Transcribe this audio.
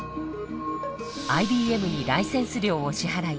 ＩＢＭにライセンス料を支払い